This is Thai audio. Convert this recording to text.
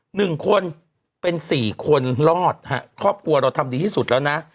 หนึ่งคนเป็นสี่คนรอดฮะครอบครัวเราทำดีที่สุดแล้วนะ